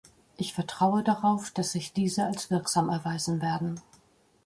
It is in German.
Ich vertraue darauf, dass sich diese als wirksam erweisen werden.